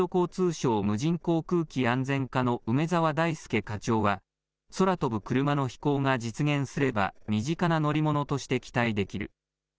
国土交通省無人航空機安全課の梅澤大輔課長は、空飛ぶクルマの飛行が実現すれば、身近な乗り物として期待できる。